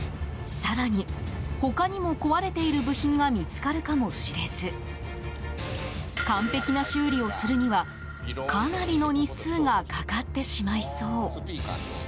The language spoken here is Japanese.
更に、他にも壊れている部品が見つかるかもしれず完璧な修理をするにはかなりの日数がかかってしまいそう。